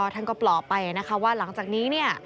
ท่านก็เปราะไปว่าหลังจากนี้